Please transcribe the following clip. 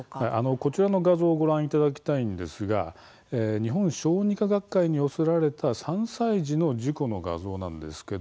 こちらの画像をご覧いただきたいんですが日本小児科学会に寄せられた３歳児の事故の画像なんです。